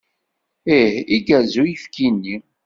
Ih, igerrez uyefki-nni.